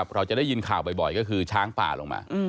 เราจะได้ยินข่าวบ่อยก็คือช้างป่าลงมา